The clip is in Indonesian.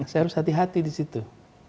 saya harus hati hati disitu